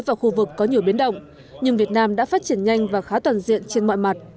và khu vực có nhiều biến động nhưng việt nam đã phát triển nhanh và khá toàn diện trên mọi mặt